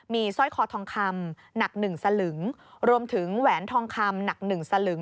มีสร้อยคอทองคำหนักหนึ่งสลึงรวมถึงแหวนทองคำหนักหนึ่งสลึง